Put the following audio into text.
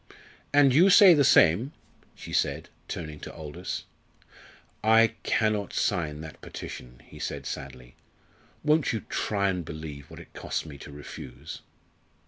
"And you say the same?" she said, turning to Aldous. "I cannot sign that petition," he said sadly. "Won't you try and believe what it costs me to refuse?"